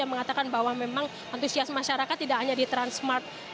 yang mengatakan bahwa memang antusias masyarakat tidak hanya di transmart